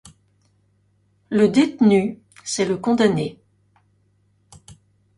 Le détenu, c’est le condamné.